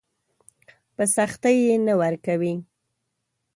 په سختي يې نه ورکوي.